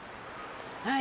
はい！